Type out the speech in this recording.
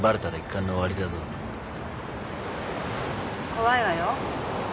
怖いわよ。